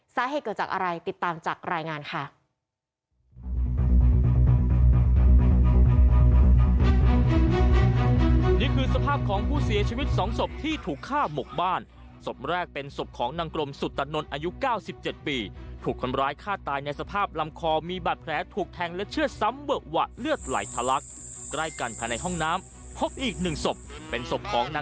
สาเหตุเกิดจากอะไรติดตามจากรายงานค่ะ